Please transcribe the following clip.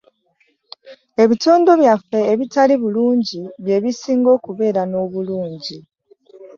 Ebitundu byaffe ebitali birungi bye bisinga okubeera n'obulungi.